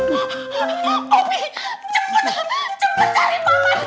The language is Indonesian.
aduh paman ku tercinta ini popi kecil